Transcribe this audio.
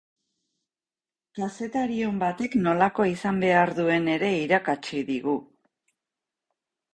Kazetari on batek nolakoa izan behar duen ere irakatsi digu.